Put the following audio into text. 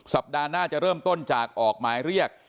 สัปดาห์หน้าจะเริ่มต้นจากออกหมายเรียก